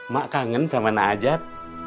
mak kangen sama najat